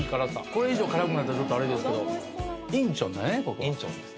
これ以上辛くなるとちょっとあれですけど仁川です